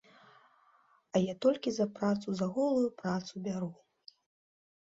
А я толькі за працу, за голую працу бяру.